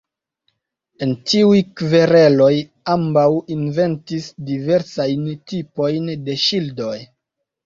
En tiuj kvereloj, ambaŭ inventis diversajn tipojn de ŝildoj.